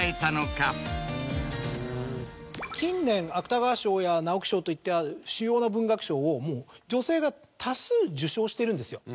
近年芥川賞や直木賞といった主要な文学賞を女性が多数受賞してるんですよ。